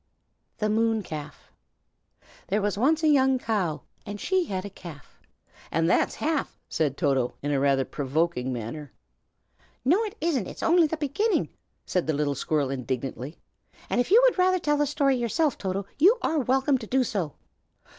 THE MOON CALF. There once was a young cow, and she had a calf. "And that's half!" said Toto, in rather a provoking manner. "No, it isn't, it's only the beginning," said the little squirrel, indignantly; "and if you would rather tell the story yourself, Toto, you are welcome to do so."